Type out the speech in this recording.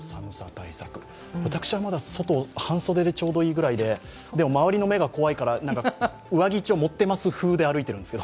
私はまだ外、半袖でちょうどいいぐらいで、でも周りの目が怖いから上着、一応持ってます風に歩いてます。